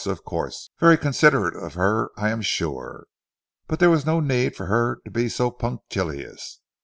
Of course! Very considerate of her I am sure; but there was no need for her to be so punctilious.